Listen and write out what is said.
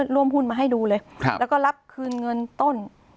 ร่วมหุ้นมาให้ดูเลยแล้วก็รับคืนเงินต้น